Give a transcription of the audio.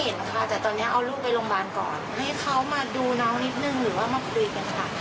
เห็นค่ะแต่ตอนนี้เอาลูกไปโรงพยาบาลก่อนให้เขามาดูน้องนิดนึงหรือว่ามาคุยกันค่ะ